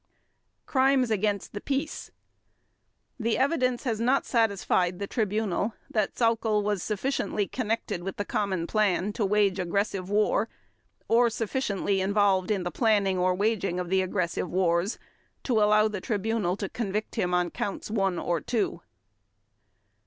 Crimes against Peace The evidence has not satisfied the Tribunal that Sauckel was sufficiently connected with the common plan to wage aggressive war or sufficiently involved in the planning or waging of the aggressive wars to allow the Tribunal to convict him on Counts One or Two.